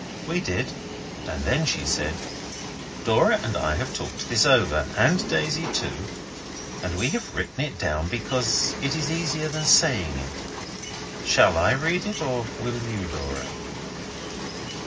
We did, and then she said: 'Dora and I have talked this over, and Daisy too, and we have written it down because it is easier than saying it. Shall I read it? or will you, Dora?